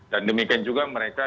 dan demikian juga mereka